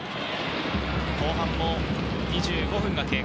後半も２５分が経過。